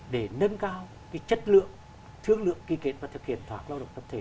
để nâng cao cái chất lượng thương lượng ký kết và thực hiện tòa cộng đồng tập thể